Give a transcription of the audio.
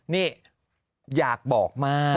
นี่อยากบอกมาก